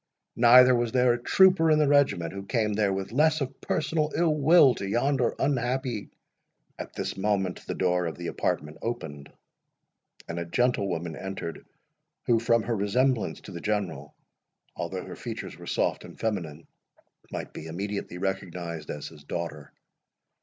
Neither was there a trooper in the regiment who came there with less of personal ill will to yonder unhappy"— At this moment the door of the apartment opened, and a gentlewoman entered, who, from her resemblance to the General, although her features were soft and feminine, might be immediately recognised as his daughter.